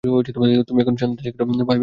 তুমি এখন চান্দের দেশে যাও, বাই বাই - স্যার?